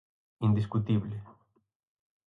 Indiscutible.